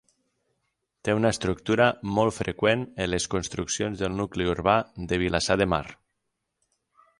Té una estructura molt freqüent en les construccions del nucli urbà de Vilassar de Mar.